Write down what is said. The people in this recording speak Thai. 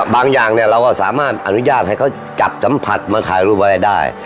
บางอย่างเนี่ยเราก็สามารถอนุญาตให้เขาจับสัมผัสมาถ่ายรูปอะไรได้